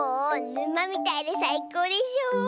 ぬまみたいでさいこうでしょ。